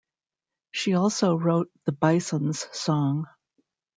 She also wrote the Bison's song.